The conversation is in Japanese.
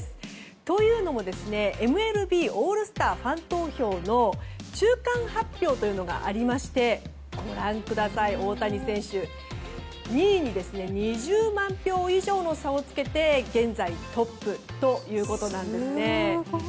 というのもＭＬＢオールスターファン投票の中間発表というのがありましてご覧ください大谷選手、２位に２０万票以上も差をつけて現在トップということなんですね。